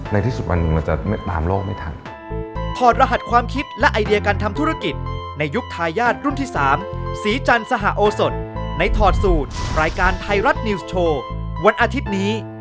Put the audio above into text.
ในที่สุดมันจะปาล์มโลกไม่ทัน